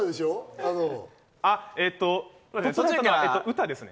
歌ですね。